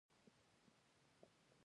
ګامونه اخېستل.